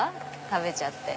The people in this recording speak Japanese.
食べちゃって。